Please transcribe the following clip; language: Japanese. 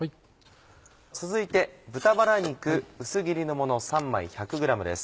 続いて豚バラ肉薄切りのもの３枚１００ｇです。